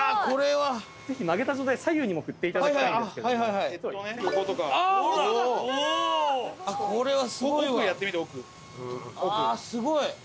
これはすごいわ。